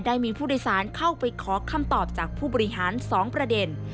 ได้มีผู้โดยสารเข้าไปขอคำตอบจากผู้บริหาร๒ประเด็น